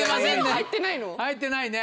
入ってないね。